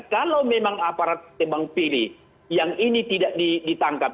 kalau memang aparat tebang pilih yang ini tidak ditangkap